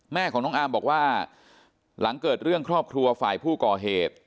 แม่ของน้องอาร์มบอกว่าหลังเกิดเรื่องครอบครัวฝ่ายผู้ก่อเหตุ